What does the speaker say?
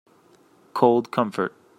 Cold comfort